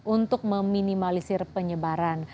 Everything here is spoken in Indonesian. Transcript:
untuk meminimalisir penyebaran